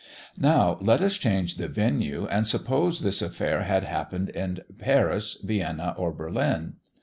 Now let us change the venue, and suppose this affair had happened in Paris, Vienna, or Berlin.